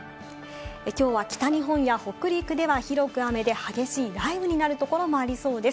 きょうは北日本や北陸では広く雨で激しい雷雨になるところもありそうです。